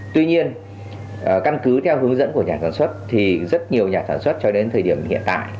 tuy nhiên căn cứ theo hướng dẫn của nhà sản xuất thì rất nhiều nhà sản xuất cho đến thời điểm hiện tại